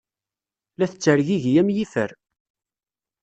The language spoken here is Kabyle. La tettergigi am yifer.